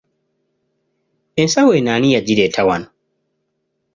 Ensawo eyo ani yagireeta wano?